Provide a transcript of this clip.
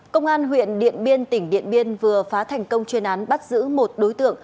công an huyện điện biên tỉnh điện biên vừa phá thành công chuyên án bắt giữ một đối tượng